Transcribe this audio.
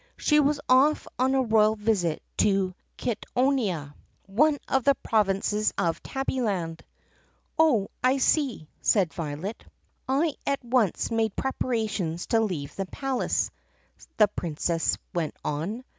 She was off on a royal visit to Kittonia, one of the provinces of Tabby land." "Oh, I see," said Violet. "I at once made preparations to leave the palace," the Prin cess went on.